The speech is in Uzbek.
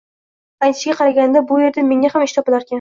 Aytishiga qaraganda, bu erda menga ham ish topilarkan